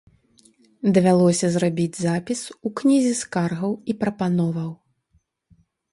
Давялося зрабіць запіс у кнізе скаргаў і прапановаў.